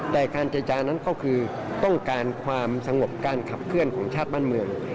แต่การเจรจานั้นก็คือต้องการความสงบการขับเคลื่อนของชาติบ้านเมือง